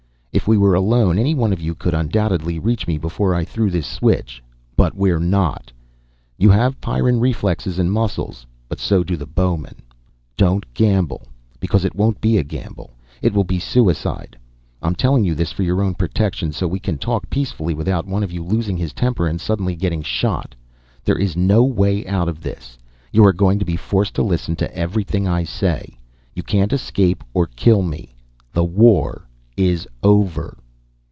If we were alone, any one of you could undoubtedly reach me before I threw this switch. But we're not. You have Pyrran reflexes and muscles but so do the bowmen. Don't gamble. Because it won't be a gamble. It will be suicide. I'm telling you this for your own protection. So we can talk peacefully without one of you losing his temper and suddenly getting shot. There is no way out of this. You are going to be forced to listen to everything I say. You can't escape or kill me. The war is over."